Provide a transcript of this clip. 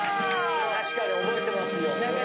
確かに覚えてますよ。